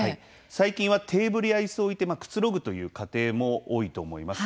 最近はテーブルやいすを置いてくつろぐという家庭も多いと思います。